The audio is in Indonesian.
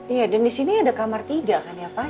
iya dan di sini ada kamar tiga kan ya pak